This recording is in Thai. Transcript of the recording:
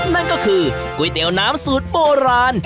นั่นก็คือก๋วยเตี๋ยวน้ำสูตรโบราณ